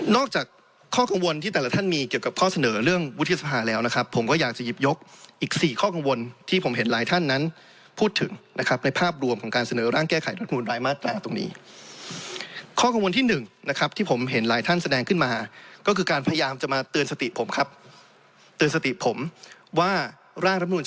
จากข้อกังวลที่แต่ละท่านมีเกี่ยวกับข้อเสนอเรื่องวุฒิสภาแล้วนะครับผมก็อยากจะหยิบยกอีกสี่ข้อกังวลที่ผมเห็นหลายท่านนั้นพูดถึงนะครับในภาพรวมของการเสนอร่างแก้ไขรัฐมนุนรายมาตราตรงนี้ข้อกังวลที่หนึ่งนะครับที่ผมเห็นหลายท่านแสดงขึ้นมาก็คือการพยายามจะมาเตือนสติผมครับเตือนสติผมว่าร่างรัฐมนุน